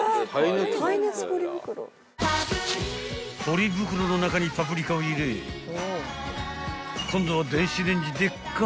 ［ポリ袋の中にパプリカを入れ今度は電子レンジでっか！